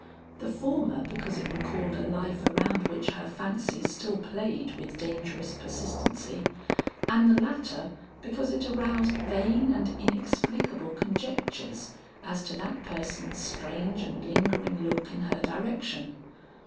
The former because it recalled a life around which her fancies still played with dangerous persistency, and the latter because it aroused vain and inexplicable conjectures as to that person's strange and lingering look in her direction.